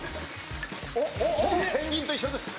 ペンギンと一緒です。